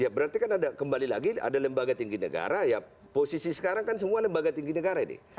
ya berarti kan ada kembali lagi ada lembaga tinggi negara ya posisi sekarang kan semua lembaga tinggi negara ini